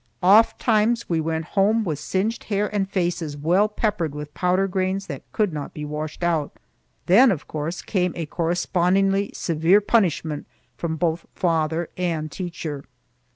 Oftentimes we went home with singed hair and faces well peppered with powder grains that could not be washed out. Then, of course, came a correspondingly severe punishment from both father and teacher.